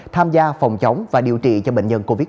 tham gia phòng chống và điều trị cho bệnh nhân covid một mươi chín